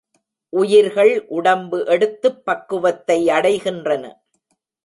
உயிர்கள் உடம்பு எடுத்துப் பக்குவத்தை அடைகின்றன.